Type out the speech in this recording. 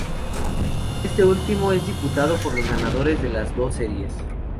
Este último es disputado por los ganadores de las dos series.